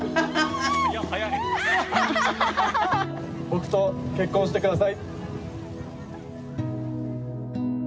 僕と結婚して下さい。